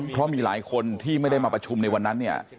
เพราะมีหลายคนที่ไม่ได้มาประชุมในวันนั้นเนี่ย